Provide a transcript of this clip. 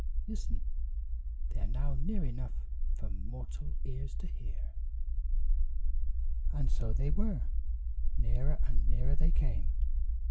Listen! they are now near enough for mortal ears to hear!" And so they were; nearer and nearer they came.